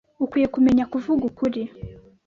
Ukwiye kumenya kuvuga ukuri